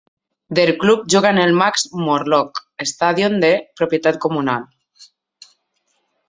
"Der Club" juga en el Max-Morlock-Stadion de propietat comunal.